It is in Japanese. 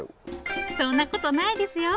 そんなことないですよ。